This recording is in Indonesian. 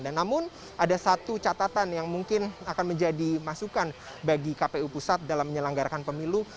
dan namun ada satu catatan yang mungkin akan menjadi masukan bagi kpu pusat dalam menyelenggarakan pemilu